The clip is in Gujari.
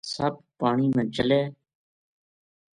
سپ پانی ما چلے